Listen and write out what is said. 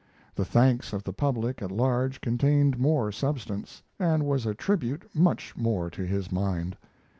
The thanks of the public at large contained more substance, and was a tribute much more to his mind.